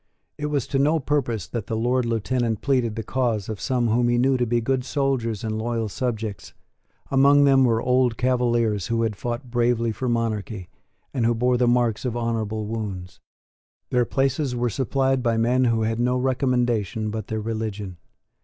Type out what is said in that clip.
It was to no purpose that the Lord Lieutenant pleaded the cause of some whom he knew to be good soldiers and loyal subjects. Among them were old Cavaliers, who had fought bravely for monarchy, and who bore the marks of honourable wounds. Their places were supplied by men who had no recommendation but their religion.